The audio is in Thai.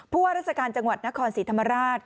ว่าราชการจังหวัดนครศรีธรรมราช